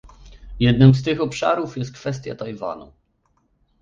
Jednym z tych obszarów jest kwestia Tajwanu